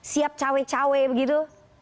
siap cawek cawek begitu